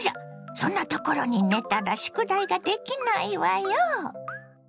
そんなところに寝たら宿題ができないわよ。